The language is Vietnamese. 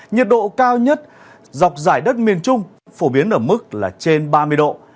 nhiệt độ cao nhất dọc dài đất miền trung phổ biến ở mức là trên ba mươi độ